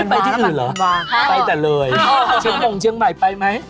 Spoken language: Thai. ไปที่สุดเหรอไปแต่เลยช่วงเชียงใหม่ไปไหม